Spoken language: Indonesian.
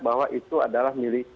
bahwa itu adalah milik